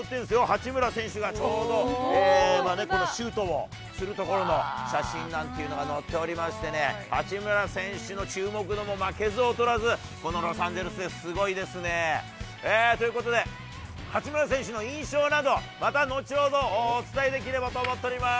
八村選手がちょうど、このシュートをするところの写真なんていうのが載っておりましてね、八村選手の注目度も負けず劣らず、このロサンゼルスですごいですね。ということで、八村選手の印象など、また後ほどお伝えできればと思っております。